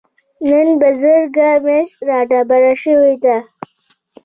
نن بزرګه مياشت رادبره شوې ده.